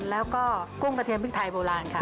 แล้วก็กุ้งกระเทียมพริกไทยโบราณค่ะ